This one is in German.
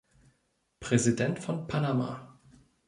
Präsident von Panama.